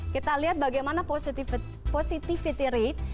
kita lihat bagaimana positivity rate